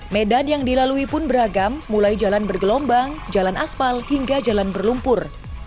medan yang dilalui pun beragam mulai jalan bergelombang jalan aspal hingga jalan berlumpur